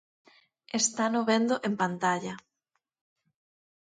Estano vendo en pantalla.